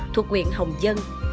thuộc quyện hồng dân